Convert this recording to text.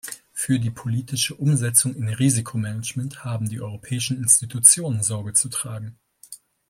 Für die politische Umsetzung in Risikomanagement haben die europäischen Institutionen Sorge zu tragen.